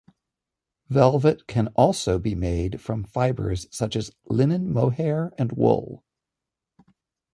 Velvet can also be made from fibers such as linen, mohair, and wool.